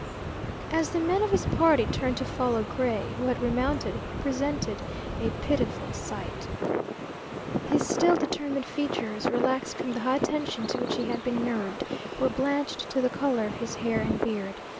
As the men of his party turned to follow Gray, who had remounted, he presented a pitiful sight. His still determined features, relaxed from the high tension to which he had been nerved, were blanched to the color of his hair and beard.